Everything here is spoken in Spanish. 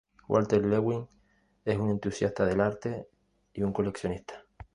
Walter Lewin es un entusiasta del arte y un coleccionista.